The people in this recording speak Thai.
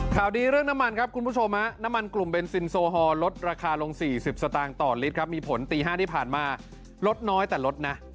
ข่าวดีเรื่องน้ำมันครับคุณผู้ชมน้ำมันกลุ่มเบนซินโซฮอลลดราคาลง๔๐สตางค์ต่อลิตรครับมีผลตี๕ที่ผ่านมาลดน้อยแต่ลดนะ